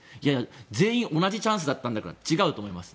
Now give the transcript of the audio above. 全員同じチャンスだったんだから違うと思います。